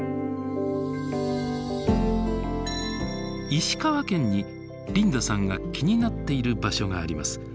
石川県にリンダさんが気になっている場所があります。